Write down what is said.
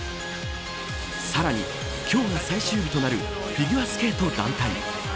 さらに、今日が最終日となるフィギュアスケート団体。